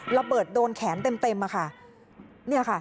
ระเบิดโดนแขนเต็มค่ะเนี่ยค่ะ